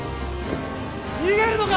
逃げるのか？